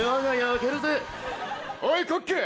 おいコック！